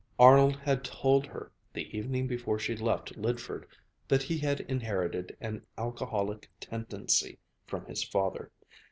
Arnold had told her, the evening before she left Lydford, that he had inherited an alcoholic tendency from his father.